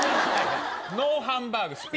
ノーハンバーグ。